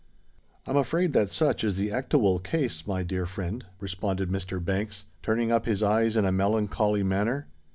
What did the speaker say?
"I'm afraid that such is the actiwal case, my dear friend," responded Mr. Banks, turning up his eyes in a melancholy manner.